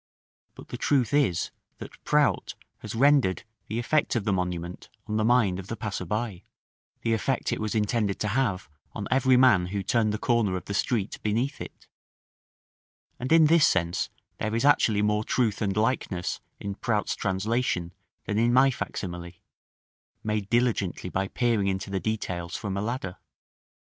But the truth is that Prout has rendered the effect of the monument on the mind of the passer by; the effect it was intended to have on every man who turned the corner of the street beneath it: and in this sense there is actually more truth and likeness in Prout's translation than in my fac simile, made diligently by peering into the details from a ladder.